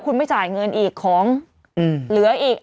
คุณไม่จ่ายเงินอีกของเหลืออีก